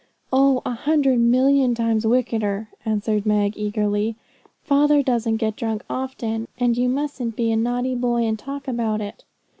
'Oh, a hundred million times wickeder,' answered Meg eagerly. 'Father doesn't get drunk often; and you mustn't be a naughty boy and talk about it.'